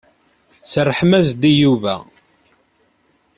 Serrḥem-as-d i Yuba.